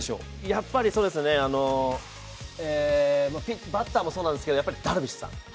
やっぱりバッターもそうなんですけど、ダルビッシュさん。